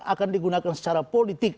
akan digunakan secara politik